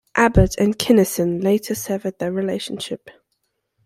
Abbott and Kinison later severed their relationship.